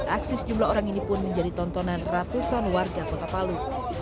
aksi sejumlah orang ini pun menjadi tontonan ratusan warga kota palu